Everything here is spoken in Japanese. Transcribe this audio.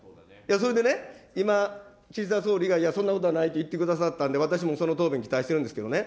それでね、今、岸田総理が、いや、そんなことはないと言ってくださったんで、私もその答弁、期待してるんですけどね。